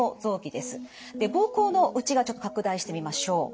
膀胱の内側拡大してみましょう。